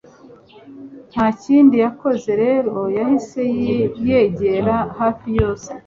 ntakindi yakoze rero, yahise yegera hafi yase